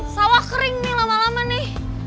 sawah kering nih lama lama nih